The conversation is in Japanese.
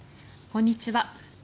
こんにちは。